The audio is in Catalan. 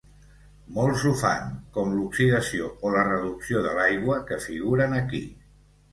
Molts ho fan, com l'oxidació o la reducció de l'aigua, que figuren aquí.